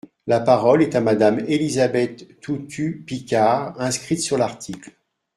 La parole est à Madame Élisabeth Toutut-Picard, inscrite sur l’article.